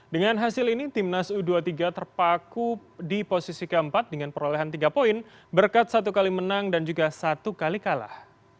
dengan hasil ini timnas u dua puluh tiga terpaku di posisi keempat dengan perolehan tiga poin berkat satu kali menang dan juga satu kali kalah